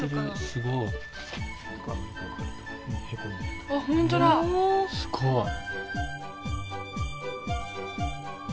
すごい。